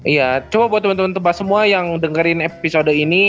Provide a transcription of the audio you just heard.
iya coba buat temen temen semua yang dengerin episode ini